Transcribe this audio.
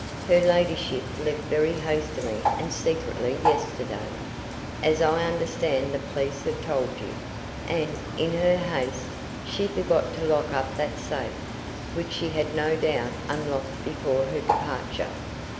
Her ladyship left very hastily and secretly yesterday, as I understand the police have told you, and, in her haste, she forgot to lock up that safe which she had no doubt unlocked before her departure.